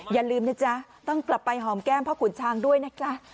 อย่าลืมนะจ๊ะต้องกลับไปหอมแก้มพ่อขุนช้างด้วยนะจ๊ะ